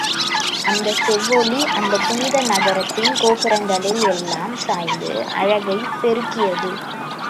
அதன் செவ்வொளி அந்தப் புனித நகரத்தின் கோபுரங்களில் எல்லாம் சாய்ந்து அழகைப் பெருக்கியது.